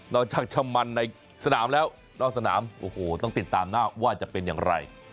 จากชะมันในสนามแล้วนอกสนามโอ้โหต้องติดตามหน้าว่าจะเป็นอย่างไร